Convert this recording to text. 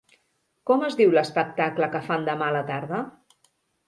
Com es diu l'espectacle que fan demà a la tarda?